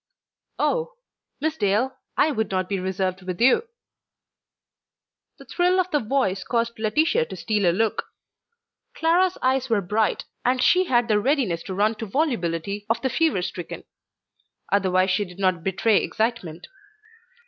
"Oh! Miss Dale, I would not be reserved with you." The thrill of the voice caused Laetitia to steal a look. Clara's eyes were bright, and she had the readiness to run to volubility of the fever stricken; otherwise she did not betray excitement.